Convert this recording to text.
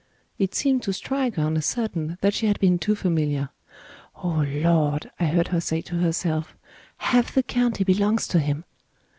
It seemed to strike her on a sudden that she had been too familiar. "Oh, Lord," I heard her say to herself, "half the county belongs to him!"